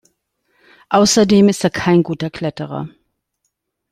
Außerdem ist er kein guter Kletterer.